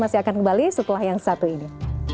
masih akan kembali setelah yang satu ini